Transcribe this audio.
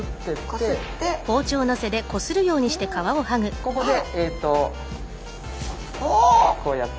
ここでえっとこうやって。